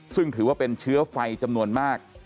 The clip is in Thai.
ซึ่งถือว่าเป็นเชื้อไฟจำนวนมาก